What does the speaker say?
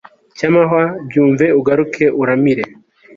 cy'amahwa, byumve ugaruke uramire